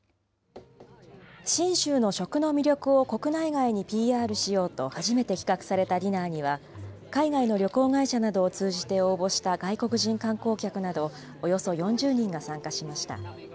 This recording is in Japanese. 信州の食の魅力を国内外にＰＲしようと初めて企画されたディナーには、海外の旅行会社などを通じて応募した外国人観光客などおよそ４０人が参加しました。